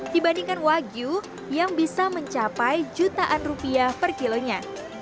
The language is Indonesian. dibandingkan wagyu yang bisa mencapai jutaan rupiah per kilonya